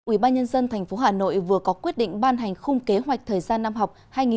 ubnd tp hà nội vừa có quyết định ban hành khung kế hoạch thời gian năm học hai nghìn hai mươi hai nghìn hai mươi một